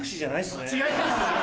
違います？